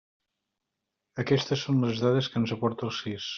Aquestes són les dades que ens aporta el CIS.